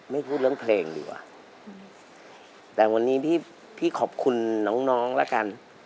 พูดเรื่องเพลงดีกว่าแต่วันนี้พี่ขอบคุณน้องน้องแล้วกัน